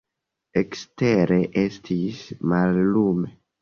Ekstere estis mallume.